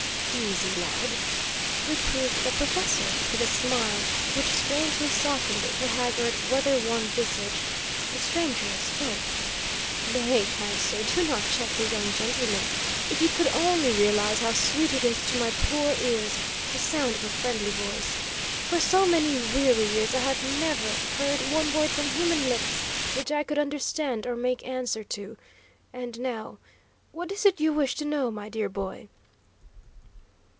"Easy, lad," reproved the professor; but with a a smile, which strangely softened that haggard, weather worn visage, the stranger spoke: "Nay, kind sir, do not check the young gentleman. If you could only realise how sweet it is to my poor ears, the sound of a friendly voice! For so many weary years I have never heard one word from human lips which I could understand or make answer to. And now, what is it you wish to know, my dear boy?"